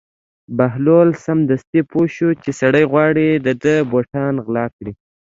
بهلول سمدستي پوه شو چې سړی غواړي د ده بوټان غلا کړي.